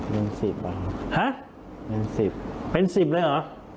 เป็นสิบอ่ะฮะเป็นสิบเป็นสิบเลยเหรอ